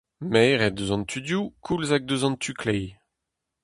Maered eus an tu dehoù koulz hag eus an tu kleiz.